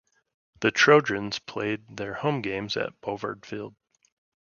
The Trojans played their home games at Bovard Field.